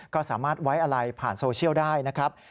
ก็สามารถไว้อะไรผ่านโซเชียลได้นะครับ